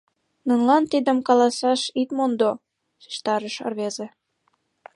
Нунылан тидым каласаш ит мондо, — шижтарыш рвезе.